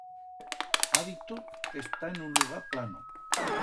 Ha dito que está en un lugar plano.